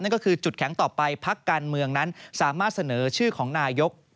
ก็คือจุดแข็งต่อไปพักการเมืองนั้นสามารถเสนอชื่อของนายก